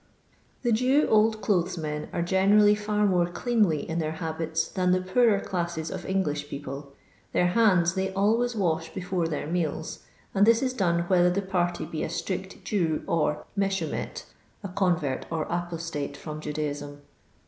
The Jew old clothes men arc generally hx n:orc cleanly in their habits than the poorer classes of English people. Their hands they always wash before their meals, and this is done whether the party be a strict Jew or '* Mcshumet," a convert, or apostate from Judaism.